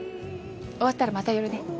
終わったらまた寄るね。